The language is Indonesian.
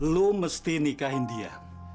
lu mesti nikahin dia